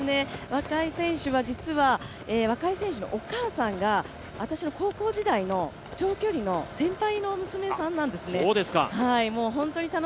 若井選手は、実は、お母さんが私の高校時代の長距離の先輩の娘さんなんですね。